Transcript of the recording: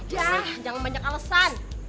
yah jangan banyak alesan